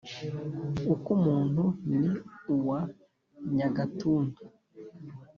akumuntu ni uwa nyagatuntu.